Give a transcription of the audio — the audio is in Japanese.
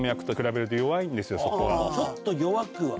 ちょっと弱くは。